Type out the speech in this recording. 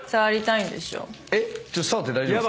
「ちょっと触って大丈夫ですか」